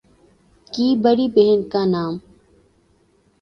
کی بڑی بہن کا نام